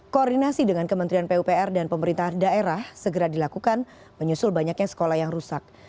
koordinasi dengan kementerian pupr dan pemerintah daerah segera dilakukan menyusul banyaknya sekolah yang rusak